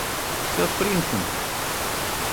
Всё с принцем?